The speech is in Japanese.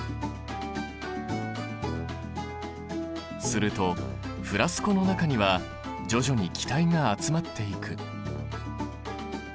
するとフラスコの中には徐々に気体が集まっていく。